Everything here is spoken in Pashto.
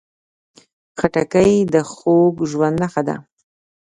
خټکی د خوږ ژوند نښه ده.